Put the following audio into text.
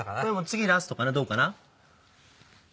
次ラストかなどうかな？